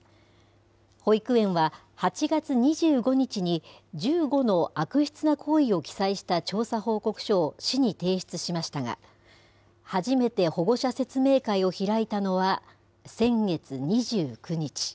保育園は８月２５日に１５の悪質な行為を記載した調査報告書を市に提出しましたが、初めて保護者説明会を開いたのは先月２９日。